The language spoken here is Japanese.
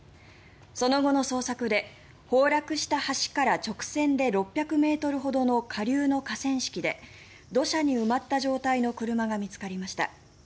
その後の捜索で崩落した橋から直線で６００ｍほどの下流の河川敷で土砂に埋まった状態の車が見つかりました。